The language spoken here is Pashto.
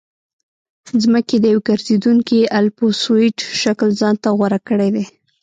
ځمکې د یو ګرځېدونکي الپسویډ شکل ځان ته غوره کړی دی